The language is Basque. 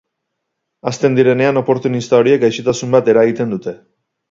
Hazten direnean, oportunista horiek gaixotasun bat eragiten dute.